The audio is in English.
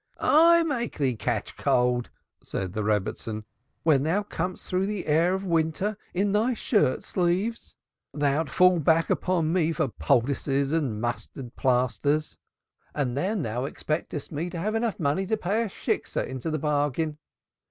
"I make thee catch cold!" said the Rebbitzin. "When thou comest through the air of winter in thy shirt sleeves! Thou'lt fall back upon me for poultices and mustard plasters. And then thou expectest me to have enough money to pay a Shiksah into the bargain!